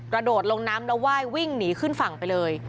โดดลงน้ำแล้วไหว้วิ่งหนีขึ้นฝั่งไปเลย